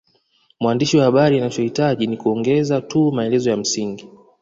Mwandishi wa habari anachohitaji ni kuongeza tu maelezo ya msingi